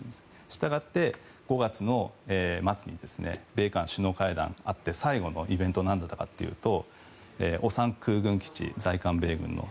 したがって、５月の末に米韓首脳会談があって最後のイベントが何だったかというと烏山空軍基地在韓米軍の。